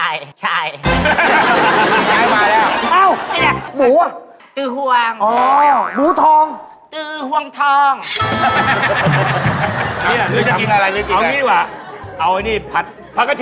ยังผัก